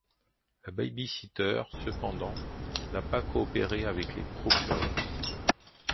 La baby-sitter, cependant, n'a pas coopéré avec les procureurs.